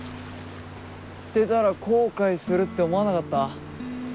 捨てたら後悔するって思わなかった？